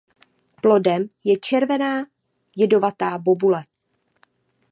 Plodem je červená jedovatá bobule.